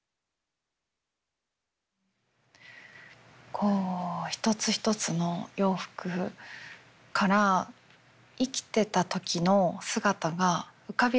こう一つ一つの洋服から生きてた時の姿が浮かび上がってくるような。